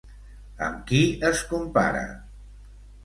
Amb qui es compara?